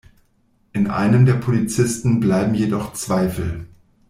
In einem der Polizisten bleiben jedoch Zweifel.